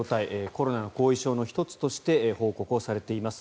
コロナの後遺症の１つとして報告されています。